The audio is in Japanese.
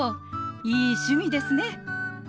いい趣味ですね。